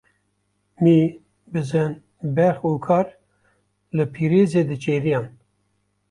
Mî, bizin, berx û kar li pirêzê diçêriyan.